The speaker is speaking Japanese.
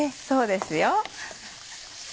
そうですよ。